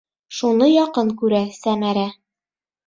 Шуны яҡын күрә Сәмәрә.